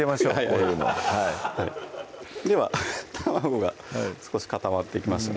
こういうのははいでは卵が少し固まってきました